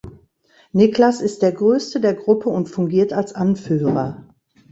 Niklas ist der Größte der Gruppe und fungiert als Anführer.